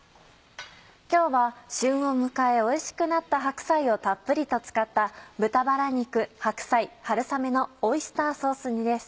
今日は旬を迎えおいしくなった白菜をたっぷりと使った「豚バラ肉白菜春雨のオイスターソース煮」です。